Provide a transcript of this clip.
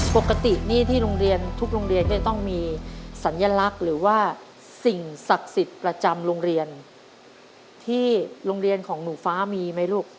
ปกติหนี้ที่โรงเรียนทุกโรงเรียนก็จะต้องมีสัญลักษณ์หรือว่าสิ่งศักดิ์สิทธิ์ประจำโรงเรียนที่โรงเรียนของหนูฟ้ามีไหมลูก